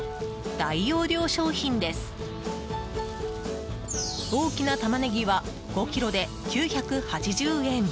大きなタマネギは５ｋｇで９８０円。